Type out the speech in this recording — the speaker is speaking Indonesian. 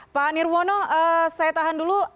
pak nirwono saya tahan dulu